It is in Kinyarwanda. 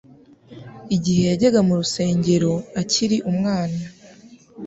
Igihe yajyaga mu rusengero akiri umwana,